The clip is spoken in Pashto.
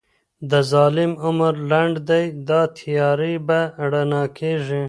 د ظالم عمر لنډی دی دا تیارې به رڼا کیږي